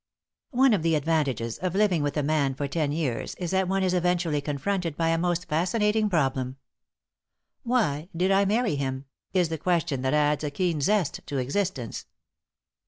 One of the advantages of living with a man for ten years is that one is eventually confronted by a most fascinating problem. "Why did I marry him?" is the question that adds a keen zest to existence.